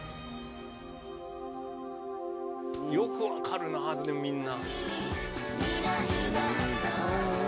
よく分かるなでもみんな。